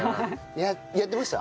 やってました？